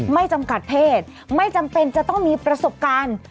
ไม่จำกัดเพศไม่จำเป็นจะต้องมีประสบการณ์